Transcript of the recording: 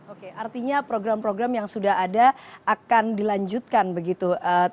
oke artinya program program yang sudah ada akan dilanjutkan begitu